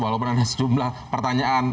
walaupun ada sejumlah pertanyaan